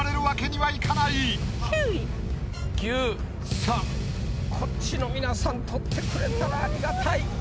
さぁこっちの皆さん取ってくれたらありがたい。